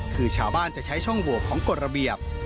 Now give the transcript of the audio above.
คือชาวบ้านจะใช้ช่องโหวกของกฎระเบียบ